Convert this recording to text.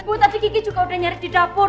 bu tadi kiki juga udah nyari di dapur